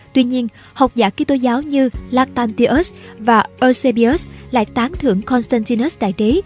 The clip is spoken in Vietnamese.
tuy nhiên học giả kỹ tố giáo như lactantius và eusebius lại tán thưởng constantinus đại đế